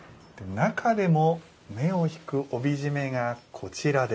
中でも目を引く帯締めがこちらです。